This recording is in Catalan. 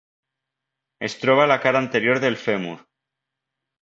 Es troba a la cara anterior del fèmur.